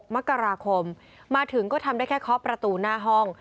มกราคมมาถึงก็ทำได้แค่เคาะประตูหน้าห้อง